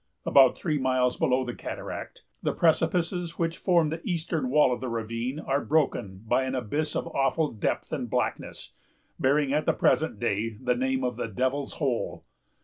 About three miles below the cataract, the precipices which form the eastern wall of the ravine are broken by an abyss of awful depth and blackness, bearing at the present day the name of the Devil's Hole.